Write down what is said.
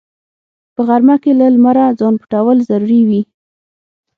په غرمه کې له لمره ځان پټول ضروري وي